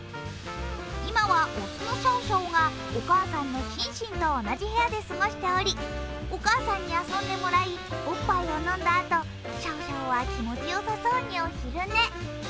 今は雄のシャオシャオがお母さんのシンシンと同じ部屋で過ごしておりお母さんに遊んでもらいおっぱいを飲んだあと、シャオシャオは気持ちよさそうにお昼寝。